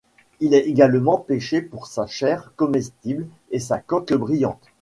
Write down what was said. Il est également pêché pour sa chair comestible et sa coque brillante.